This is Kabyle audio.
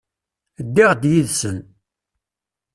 Ddiɣ-d yid-sen.